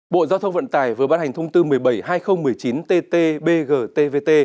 bộ giao thông vận tải vừa bán hành thông tư một mươi bảy hai nghìn một mươi chín ttb